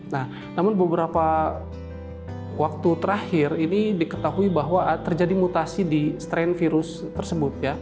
nah namun beberapa waktu terakhir ini diketahui bahwa terjadi mutasi di strain virus tersebut ya